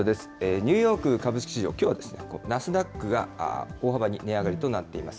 ニューヨーク株式市場、きょうはナスダックが大幅に値上がりとなっています。